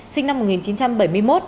sinh năm một nghìn chín trăm bảy mươi một